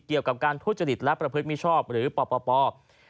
เกี่ยวกับการทุจริตและประพฤติมิชอบหรือปป